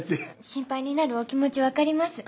心配になるお気持ち分かります。